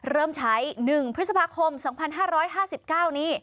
เริ่มใช้๑พฤษภาคม๒๕๕๙นี้